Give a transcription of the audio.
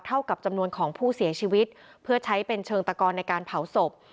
กับจำนวนของผู้เสียชีวิตเพื่อใช้เป็นเชิงตะกอนในการเผาศพ